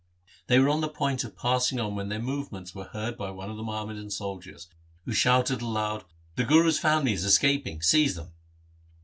They were on the point of passing on when their movements were heard by one of the Muhammadan soldiers, who shouted aloud, 'The Guru's family is escaping, seize them.'